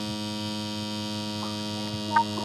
তুমি না থাকলে ভালো হয়।